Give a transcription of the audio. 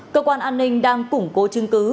cơ quan an ninh đang củng cố chứng cứ